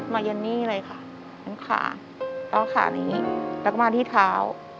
มายันนี่เลยค่ะขาเอาขานี้แล้วก็มาที่เท้า